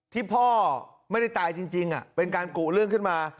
ที่พ่อไม่ได้ตายจริงเป็นการกุเรื่องขึ้นมา